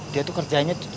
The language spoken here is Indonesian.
dia tuh kerjanya tuh